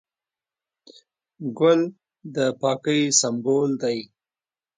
ګل د پاکۍ سمبول دی.